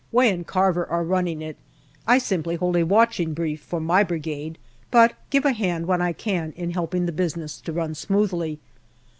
Way and Carver are running it. I simply hold a watching brief for my Brigade, but give a hand when I can in helping the business to run smoothly.